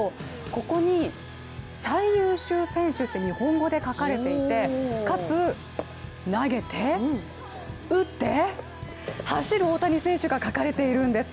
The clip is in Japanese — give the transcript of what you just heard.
ここに最優秀選手って日本語で書かれていてかつ、投げて、打って、走る大谷選手が描かれているんです。